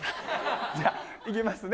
じゃあ、いきますね。